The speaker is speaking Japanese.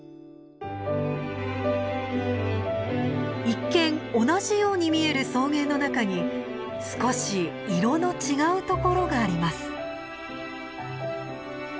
一見同じように見える草原の中に少し色の違うところがあります。